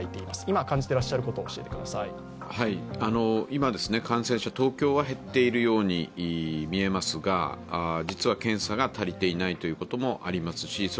今、感染者、東京は減っているように見えますが実は検査が足りていないということもありますし